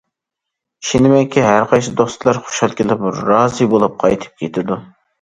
ئىشىنىمەنكى، ھەرقايسى دوستلار خۇشال كېلىپ، رازى بولۇپ قايتىپ كېتىدۇ.